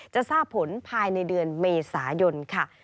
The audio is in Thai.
จะทราบผลภายในเดือนเมษายนค่ะ